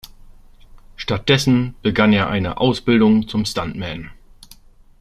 Stattdessen begann er eine Ausbildung zum Stuntman.